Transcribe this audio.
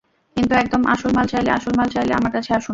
কিন্তু একদম আসল মাল চাইলে, আসল মাল চাইলে আমার কাছে আসুন।